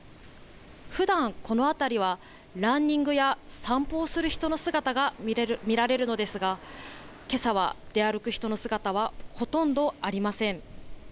ふだんこの辺りは、ランニングや散歩をする人の姿が見られるのですが、けさはで歩く人の姿はほとんどありません。